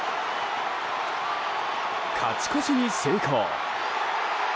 勝ち越しに成功。